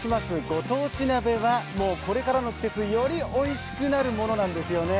ご当地鍋は、もうこれからの季節よりおいしくなるものなんですよね。